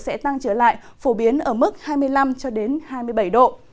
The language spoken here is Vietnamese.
nhiệt độ sẽ tăng trở lại phổ biến ở mức hai mươi năm cho đến hai mươi bảy độ